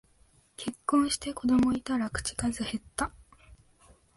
結婚して子供いたら口数へった